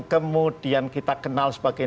kemudian kita kenal sebagai